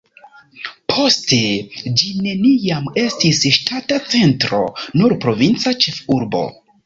Poste ĝi neniam estis ŝtata centro, nur provinca ĉefurbo.